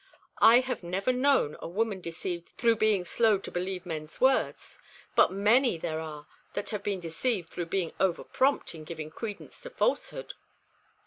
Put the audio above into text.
I have never known a woman deceived through being slow to believe men's words, but many are there that have been deceived through being over prompt in giving credence to falsehood.